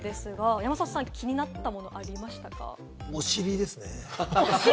山里さん、気になったものあおしりですね。